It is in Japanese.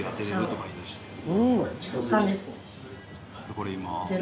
これ今。